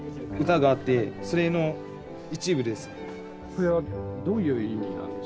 これそれはどういう意味なんでしょう？